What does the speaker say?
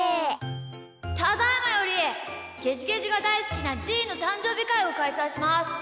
ただいまよりゲジゲジがだいすきなじーのたんじょうびかいをかいさいします。